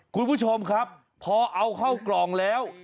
คุณผู้ชมครับพอเอาเข้ากล่องแล้ว